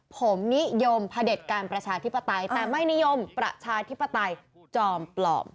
ผมนิยมผดชาธิปไตยแต่ไม่นิยมประชาธิปไตยจอมปลอม